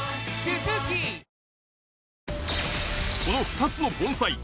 この２つの盆栽